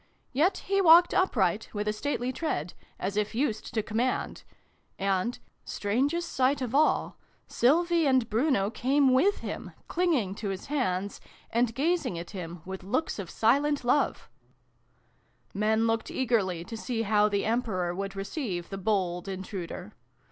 Yet he walked upright, with a stately tread, as if used to com mand : and strangest sight of all Sylvie and Bruno came with him, clinging to his hands, and gazing at him with looks of silent love. xxiv] THE BEGGAR'S RETURN. 383 Men looked eagerly to see how the Em peror would receive the bold intruder.